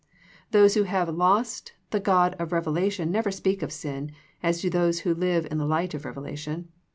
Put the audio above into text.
Those who have lost the God of revelation never speak of sin as do those who live in the light of revelation.